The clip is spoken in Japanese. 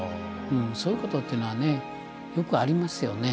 そういうことっていうのはねよくありますよね。